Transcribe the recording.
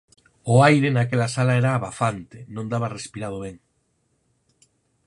O aire naquela sala era abafante, non daba respirado ben.